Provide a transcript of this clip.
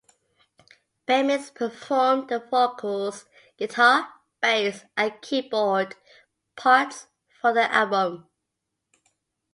Bemis performed the vocals, guitar, bass, and keyboard parts for the album.